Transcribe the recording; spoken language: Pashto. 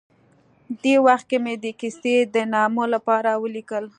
دې وخت کې مې د کیسې د نامه لپاره ولیکل.